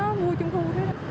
hoặc thương để cho các cháu